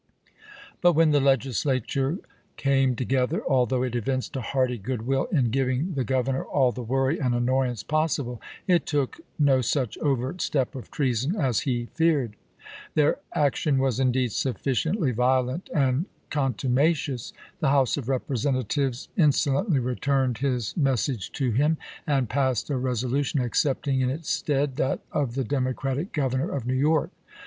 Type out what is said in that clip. But when the Legislature came together, although it evinced a hearty good will in giving the Governor all the worry and annoyance possible, it took no such overt step of treason as he feared. Their action was, indeed, sufficiently violent and contumacious. The House of Eepresentatives in solently returned his message to him, and passed a resolution accepting in its stead that of the Demo cratic Governor of New York.